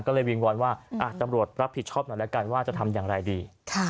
ก็เลยวิงวอนว่าตำรวจรับผิดชอบหน่อยแล้วกันว่าจะทำอย่างไรดี